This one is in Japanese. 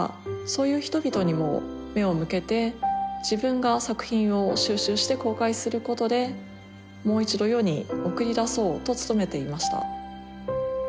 そういう人々にも目を向けて自分が作品を収集して公開することでもう一度世に送り出そうと努めていました。